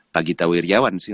pak gita wirjawan sih